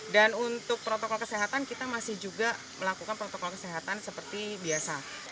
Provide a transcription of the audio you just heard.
dan untuk protokol kesehatan kita masih juga melakukan protokol kesehatan seperti biasa